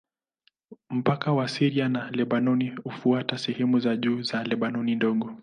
Mpaka wa Syria na Lebanoni hufuata sehemu za juu za Lebanoni Ndogo.